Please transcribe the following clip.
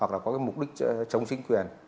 hoặc là có mục đích chống chính quyền